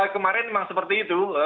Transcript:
kemarin memang seperti itu